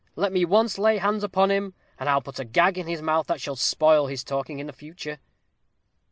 Let me once lay hands upon him, and I'll put a gag in his mouth that shall spoil his talking in the future."